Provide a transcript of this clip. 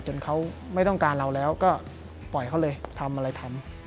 เขาไม่ต้องการเราแล้วก็ปล่อยเขาเลยทำอะไรทำ